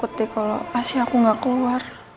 aku takut deh kalo pasti aku gak keluar